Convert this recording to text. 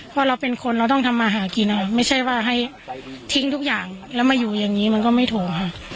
เพราะเราเป็นคนเราต้องทำมาหากินไม่ใช่ว่าให้ทิ้งทุกอย่างแล้วมาอยู่อย่างนี้มันก็ไม่ถูกค่ะ